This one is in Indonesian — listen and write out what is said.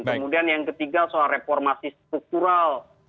kemudian yang ketiga soal reformasi struktural